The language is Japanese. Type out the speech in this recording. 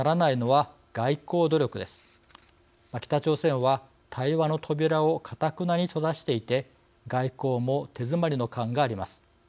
北朝鮮は対話の扉をかたくなに閉ざしていて外交も手詰まりの感があります。